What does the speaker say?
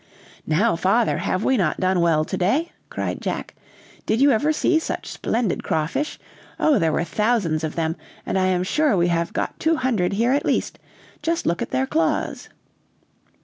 "Now, father, have we not done well to day!" cried Jack, "did you ever see such splendid crawfish? Oh, there were thousands of them, and I am sure we have got two hundred here at least. Just look at their claws!"